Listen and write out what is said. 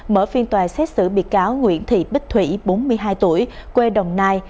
mở phiên tòa xét xử bị cáo nguyễn thị bích thủy bốn mươi hai tuổi quê đồng nai